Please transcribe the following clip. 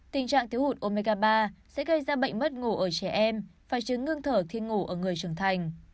tình trạng thiếu hụt ômega ba sẽ gây ra bệnh mất ngủ ở trẻ em và chứng ngưng thở thiên ngủ ở người trưởng thành